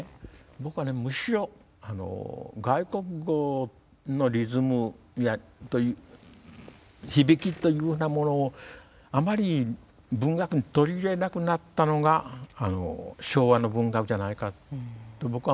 僕はむしろ外国語のリズム響きというふうなものをあまり文学に取り入れなくなったのが昭和の文学じゃないかと僕は思ってるんです。